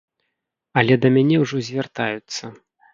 Але да мяне ўжо звяртаюцца.